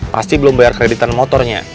pasti belum bayar kreditan motornya